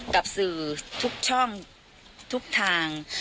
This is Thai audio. กับสื่อทุกช่องทุกทาง